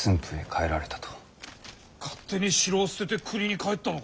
勝手に城を捨てて国に帰ったのか。